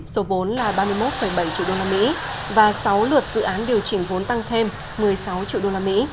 số vốn là ba mươi một bảy triệu usd và sáu lượt dự án điều chỉnh vốn tăng thêm một mươi sáu triệu usd